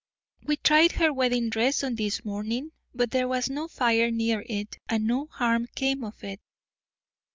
"We tried her wedding dress on this morning, but there was no fire near it, and no harm came of it."